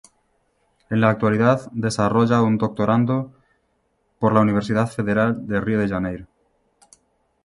En la actualidad desarrolla un doctorando por la Universidad Federal de Río de Janeiro.